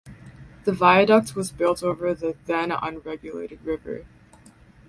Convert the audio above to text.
The viaduct was built over the then unregulated river.